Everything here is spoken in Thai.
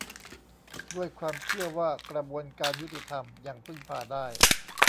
ด้วยความเชื่อว่ากระบวนการยุติธรรมยังพึ่งพาได้